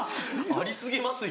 あり過ぎますよ。